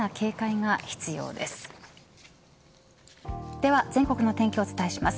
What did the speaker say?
では、全国の天気をお伝えします。